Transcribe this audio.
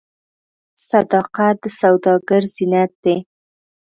صداقت د سوداګر زینت دی.